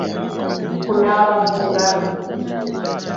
Kunaaba mu ngalo.